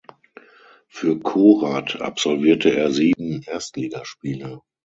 Für Korat absolvierte er sieben Erstligaspiele.